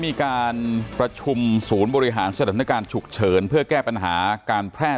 มีการประชุมศูนย์บริหารสถานการณ์ฉุกเฉินเพื่อแก้ปัญหาการแพร่